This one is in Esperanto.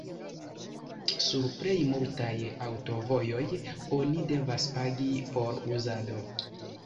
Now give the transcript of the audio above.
Sur plej multaj aŭtovojoj oni devas pagi por uzado.